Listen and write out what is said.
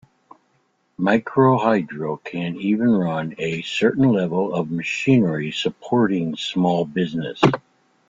Microhydro can even run a certain level of machinery supporting small businesses.